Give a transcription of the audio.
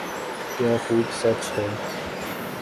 کیا خوب سوچ ہے۔